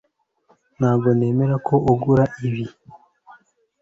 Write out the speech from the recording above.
Ntabwo nemera ko ugura ibi